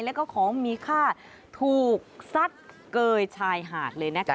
แล้วก็ของมีค่าถูกซัดเกยชายหาดเลยนะคะ